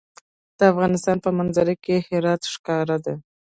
د افغانستان په منظره کې هرات ښکاره ده.